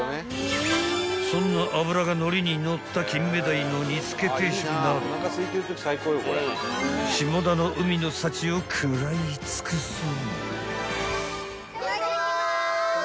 ［そんな脂が乗りに乗った金目鯛の煮付け定食など下田の海の幸を食らい尽くす］